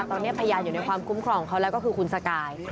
ตอนนี้พยานอยู่ในความคุ้มครองเขาแล้วก็คือคุณสกาย